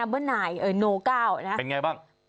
เป็นไงบ้าง